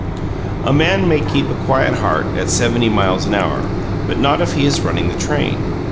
A man may keep a quiet heart at seventy miles an hour, but not if he is running the train.